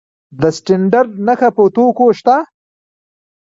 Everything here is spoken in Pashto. د سټنډرډ نښه په توکو شته؟